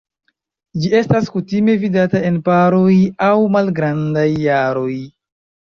Ĝi estas kutime vidata en paroj aŭ malgrandaj aroj.